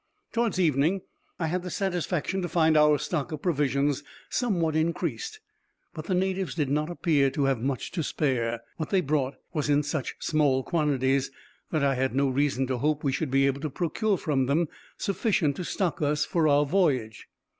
Towards evening, I had the satisfaction to find our stock of provisions somewhat increased; but the natives did not appear to have much to spare. What they brought was in such small quantities, that I had no reason to hope we should be able to procure from them sufficient to stock us for our voyage.